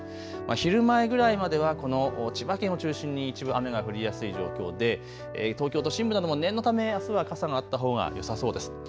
昼前ぐらいまではこの千葉県を中心に一部雨が降りやすい状況で東京都心部なども念のためあすは傘があったほうがよさそうです。